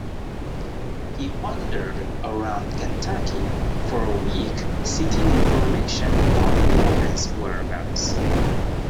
He wandered around Kentucky for a week seeking information on Morgan's whereabouts.